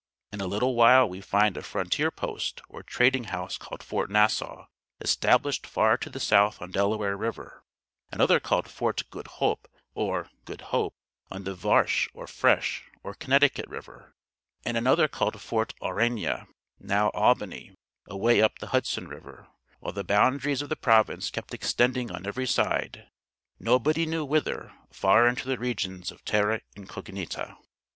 In a little while we find a frontier post or trading house called Fort Nassau, established far to the south on Delaware River; another called Fort Goed Hoop (or Good Hope), on the Varsche or Fresh, or Connecticut River; and another called Fort Aurania (now Albany) away up the Hudson River; while the boundaries of the province kept extending on every side, nobody knew whither, far into the regions of Terra Incognita.